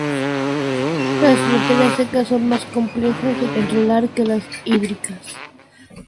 Las fronteras secas son más complejas de controlar que las hídricas.